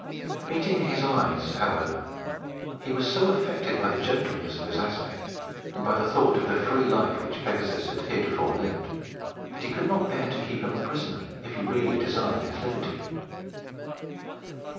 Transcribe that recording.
Meeting his eyes, however, he was so affected by the gentleness of his aspect, and by the thought of the free life which Pegasus had heretofore lived, that he could not bear to keep him a prisoner, if he really desired his liberty.